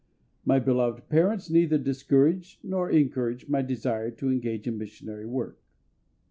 My beloved parents neither discouraged nor encouraged my desire to engage in missionary work.